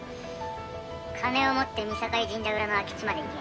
金を持って御坂井神社裏の空き地まで行け。